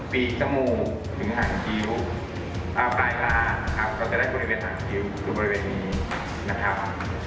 ปีกสมูกถึงหางคิ้วปลายกลางเราจะได้บริเวณหางคิ้วคือบริเวณนี้นะครับ